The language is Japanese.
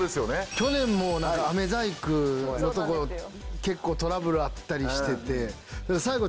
去年も飴細工のところ結構トラブルあったりしてて。